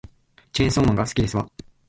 チェーンソーマンが好きですわ